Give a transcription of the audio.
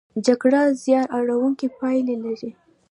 جګړه زیان اړوونکې پایلې لري.